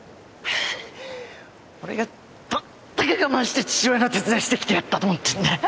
俺がどんだけ我慢して父親の手伝いしてきてやったと思ってんだ。